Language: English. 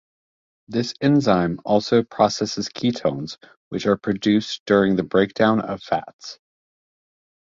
This enzyme also processes ketones, which are produced during the breakdown of fats.